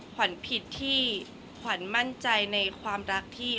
ขวัญผิดที่ขวัญมั่นใจในความรักพี่